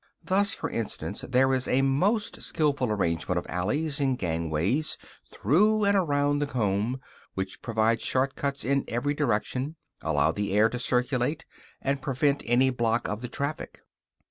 Thus, for instance, there is a most skillful arrangement of alleys and gangways through and around the comb, which provide short cuts in every direction, allow the air to circulate, and prevent any block of the traffic.